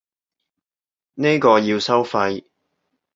呢個要收費